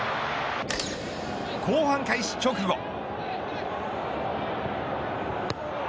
後半開始直後。